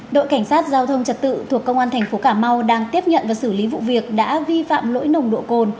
đội cảnh sát giao thông trật tự thuộc công an thành phố cà mau đang tiếp nhận và xử lý vụ việc đã vi phạm lỗi nồng độ cồn